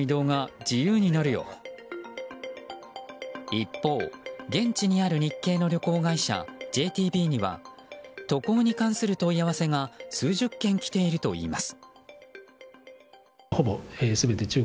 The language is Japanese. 一方、現地にある日系の旅行会社ＪＴＢには渡航に関する問い合わせが数十件来ているといいます。